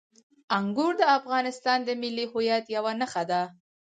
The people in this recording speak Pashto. انګور د افغانستان د ملي هویت یوه نښه ده.